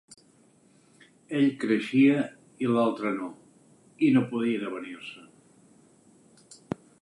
Ell creixia i l’altre no, i no podien avenir-se.